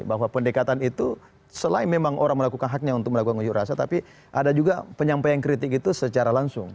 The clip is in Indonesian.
bahwa pendekatan itu selain memang orang melakukan haknya untuk melakukan unjuk rasa tapi ada juga penyampaian kritik itu secara langsung